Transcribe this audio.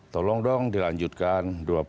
tolong dong dilanjutkan